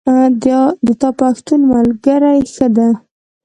د تا پښتون ملګری ښه ده